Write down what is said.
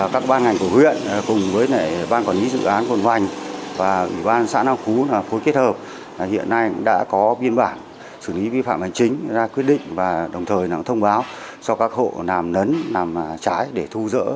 các ban ngành của huyện cùng với ban quản lý dự án cồn vành và ủy ban xã nam phú phối kết hợp hiện nay cũng đã có biên bản xử lý vi phạm hành chính ra quyết định và đồng thời thông báo cho các hộ làm nấn làm trái để thu dỡ